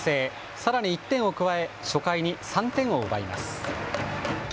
さらに１点を加え初回に３点を奪います。